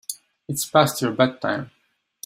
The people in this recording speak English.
It's past your bedtime.